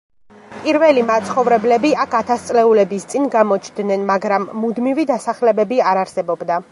პირველი მაცხოვრებლები აქ ათასწლეულების წინ გამოჩნდნენ, მაგრამ მუდმივი დასახლებები არ არსებობდა.